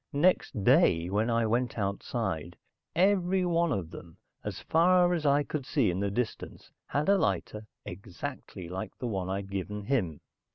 Next day, when I went outside, everyone of them, as far as I could see in the distance, had a lighter, exactly like the one I'd given him.